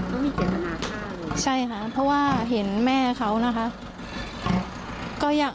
เขามีเจ็บปัญหาค่ะใช่ค่ะเพราะว่าเห็นแม่เขานะคะ